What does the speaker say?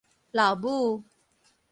老母